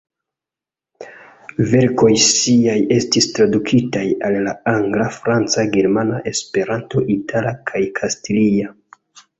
Verkoj ŝiaj estis tradukitaj al la angla, franca, germana, Esperanto, itala kaj kastilia.